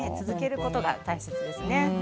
続けることが大切ですね。